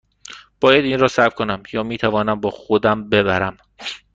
باید این را ثبت کنم یا می توانم با خودم ببرم؟